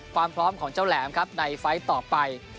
ความพร้อมของเจ้าแหลมครับในไฟล์ต่อไป